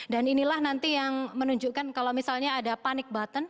dan inilah nanti yang menunjukkan kalau misalnya ada panic button